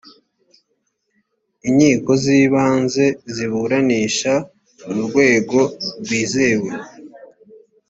inkiko z ibanze ziburanisha mu rwego rwizewe